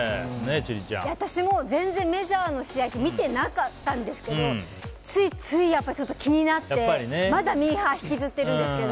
私も全然メジャーの試合見てなかったんですけどついつい、気になってまだミーハー引きずってるんですけど。